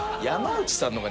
山内さん